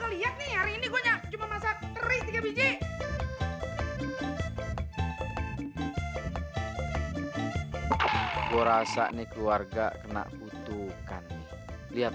lihat nih hari ini go nya cuma masak teri tiga biji gue rasa nih keluarga kena kutukan lihat